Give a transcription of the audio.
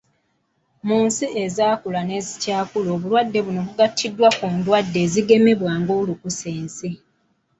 Mu nsi ezaakula n'ezikyakula obulwadde buno bugattibwa ku ndwadde ezigemebwa nga olukusense